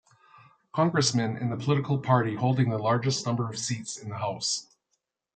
Congressmen in the political party holding the largest number of seats in the House.